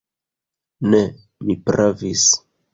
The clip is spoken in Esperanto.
Ne, mi pravis!